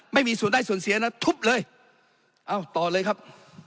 ไม่มีส่วนได้ส่วนเสียนะทุบเลยเอ้าต่อเลยครับ